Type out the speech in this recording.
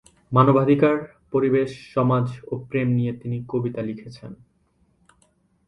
মানবাধিকার, পরিবেশ, সমাজ ও প্রেম নিয়ে তিনি কবিতা লিখেছেন।